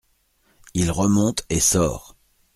Il remonte et sort.